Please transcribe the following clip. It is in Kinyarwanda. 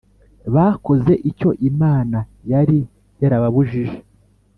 bakoze icyo imana yari yarababujije.